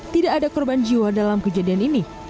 tidak ada korban jiwa dalam kejadian ini